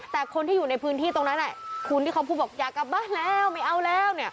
แต่คนที่อยู่ในพื้นที่ตรงนั้นคุณที่เขาพูดบอกอยากกลับบ้านแล้วไม่เอาแล้ว